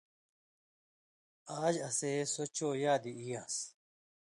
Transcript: آژ اسے سو چو یادی ای یان٘س